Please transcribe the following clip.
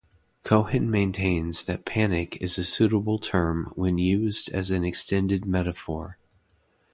Cohen maintains that "panic" is a suitable term when used as an extended metaphor.